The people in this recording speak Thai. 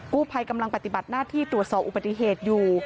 กู้ภัยกำลังปฏิบัติหน้าที่ตรวจสอบอุบัติเหตุอยู่